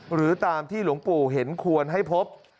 หรือตามที่หลวงปู่เห็นควรให้พบ